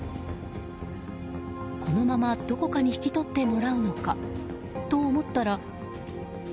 このままどこかに引き取ってもらうのかと思ったら。